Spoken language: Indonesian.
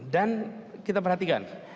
dan kita perhatikan